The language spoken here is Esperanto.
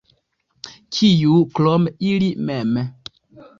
Kiu, krom ili mem?